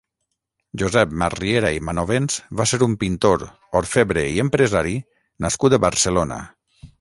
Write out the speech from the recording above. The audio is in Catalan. Josep Masriera i Manovens va ser un pintor, orfebre i empresari nascut a Barcelona.